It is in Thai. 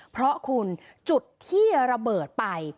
เพราะคุณจุดที่ระเบิดไป